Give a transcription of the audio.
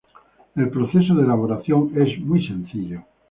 El proceso de elaboración es muy sencillo.